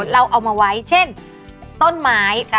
เราเอามาไว้เช่นต้นไม้